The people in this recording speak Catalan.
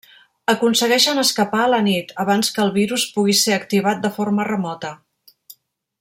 Aconsegueixen escapar a la nit, abans que el virus pugui ser activat de forma remota.